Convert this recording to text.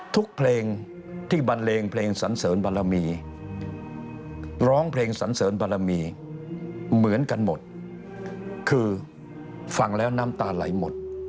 เพลงที่บันเลงเพลงสันเสริญบารมีร้องเพลงสันเสริญบารมีเหมือนกันหมดคือฟังแล้วน้ำตาไหลหมด